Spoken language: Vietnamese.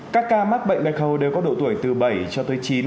các ca mắc bệnh bạch hầu đều có độ tuổi từ bảy cho tới chín